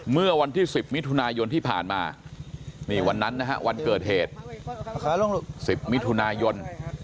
เมื่อวันที่๑๐มิถุนายนที่ผ่านมานี่วันนั้นนะฮะวันเกิดเหตุ๑๐มิถุนายน